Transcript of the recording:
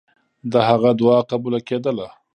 د هغه دعا قبوله کېده.